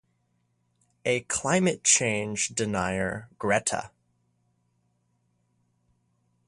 A climate change denier Greta.